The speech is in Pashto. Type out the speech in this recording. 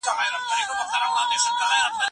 په انګریزي ژبه کي لارښود ته بېل نومونه اخلي.